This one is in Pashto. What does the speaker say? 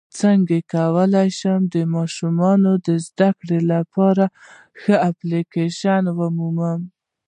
څنګه کولی شم د ماشومانو د زدکړې لپاره ښه اپلیکیشن ومومم